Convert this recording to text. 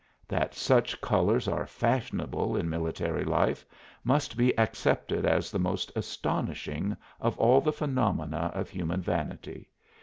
That such colors are fashionable in military life must be accepted as the most astonishing of all the phenomena of human vanity.